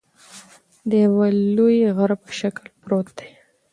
د یوه لوی غره په شکل پروت دى